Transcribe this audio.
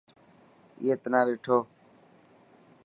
اي تنا ڏٺو.